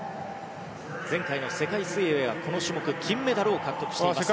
前回の世界水泳ではこの種目金メダルを獲得しています。